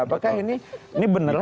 apakah ini beneran